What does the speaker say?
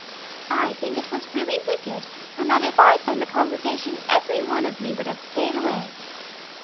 "I think it was really wicked, and that if I'd been the congregation, every one of me would have staid away."